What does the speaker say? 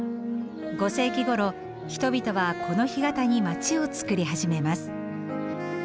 ５世紀ごろ人々はこの干潟に街をつくり始めます。